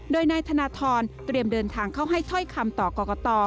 โดยนายธนทรเตรียมเดินทางเข้าให้ถ้อยคำต่อกรกต